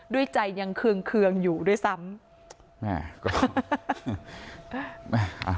ด้วยใจยังเคืองเคืองอยู่ด้วยซ้ำ